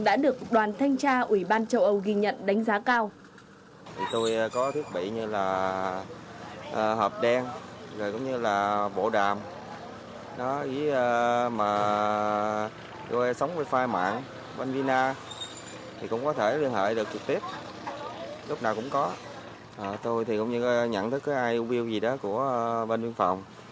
đã được đoàn thanh tra ủy ban châu âu ghi nhận đánh giá cao